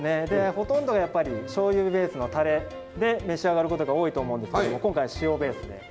でほとんどやっぱりしょうゆベースのたれで召し上がることが多いと思うんですけども今回は塩ベースで。